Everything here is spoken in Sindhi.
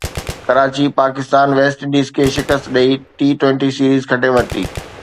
ڪراچي پاڪستان ويسٽ انڊيز کي شڪست ڏئي ٽي ٽوئنٽي سيريز کٽي ورتي